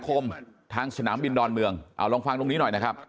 คมทางสนามบินดอนเมืองเอาลองฟังตรงนี้หน่อยนะครับ